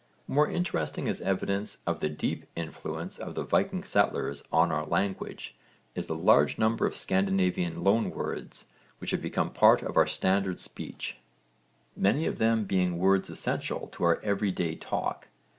More interesting as evidence of the deep influence of the Viking settlers on our language is the large number of Scandinavian loan words which have become part of our standard speech, many of them being words essential to our every day talk.